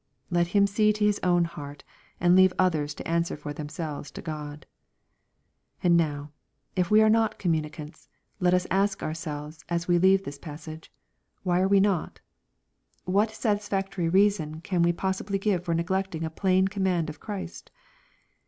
Let him see to his own heart, and leave others to answer for themselves to God. And now, if we are not communicants, let us ask our selves, as we leave this passage, ''Why are we not ? What satisfactory reason can we possibly give for neglecting a plain command of Christ